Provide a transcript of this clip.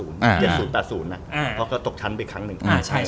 ๗๐๘๐น้ำตกชั้นไปครั้งนึง